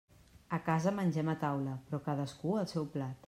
A casa mengem a taula, però cadascú al seu plat.